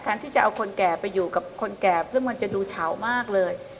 ที่จะเอาคนแก่ไปอยู่กับคนแก่ซึ่งมันจะดูเฉามากเลย